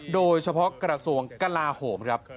โดยเฉพาะกระทรวงกลาโหมครับ